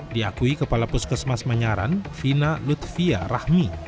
diakui kepala puskesmas manyaran vina lutfia rahmi